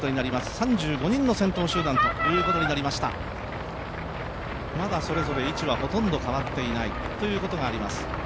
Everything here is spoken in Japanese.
３５人の先頭集団になりました、まだそれぞれ位置はほとんど変わっていないということになります。